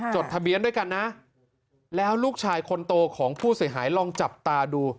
จดทะเบียนด้วยกันนะแล้วลูกชายคนโตของผู้เสียหายลองจับตาดู